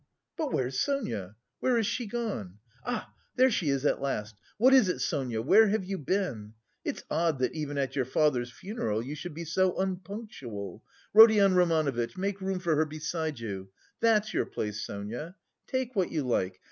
But where's Sonia? Where has she gone? Ah, there she is at last! what is it, Sonia, where have you been? It's odd that even at your father's funeral you should be so unpunctual. Rodion Romanovitch, make room for her beside you. That's your place, Sonia... take what you like.